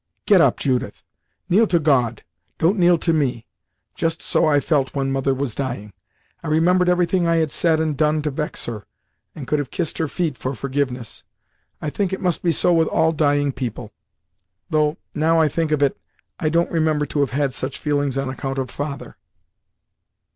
"Get up, Judith kneel to God; don't kneel to me. Just so I felt when mother was dying! I remembered everything I had said and done to vex her, and could have kissed her feet for forgiveness. I think it must be so with all dying people; though, now I think of it, I don't remember to have had such feelings on account of father."